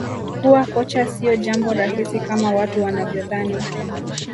kuwa kocha sio jambo rahisi kama watu wanavyodhani